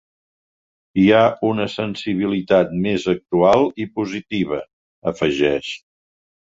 “Hi ha una sensibilitat més actual i positiva”, afegeix.